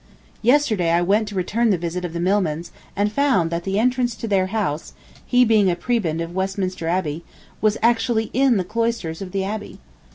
Yesterday I went to return the visit of the Milmans and found that the entrance to their house, he being a prebend of Westminster Abbey, was actually in the cloisters of the Abbey.